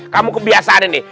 kamu kebiasaannya nih